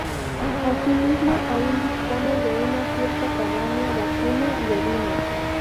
Asimismo, aún dispone de una cierta cabaña vacuna y ovina.